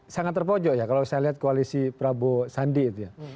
sangat terpojok ya kalau saya lihat koalisi prabowo sandi itu ya